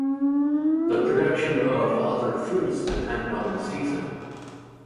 The production of other fruits depend on the season.